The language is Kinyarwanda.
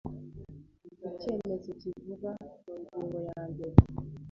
icyemezo kivugwa mu ngingo ya mbere